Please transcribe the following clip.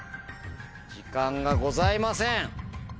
時間がございません。